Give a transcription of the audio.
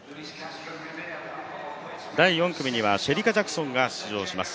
第４組にはシェリカ・ジャクソンが出場します。